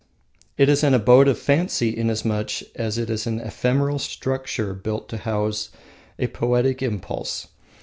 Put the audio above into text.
It is an Abode of Fancy inasmuch as it is an ephemeral structure built to house a poetic impulse.